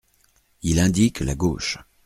Il indique la gauche.